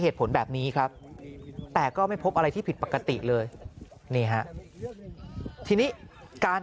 เหตุผลแบบนี้ครับแต่ก็ไม่พบอะไรที่ผิดปกติเลยนี่ฮะทีนี้การ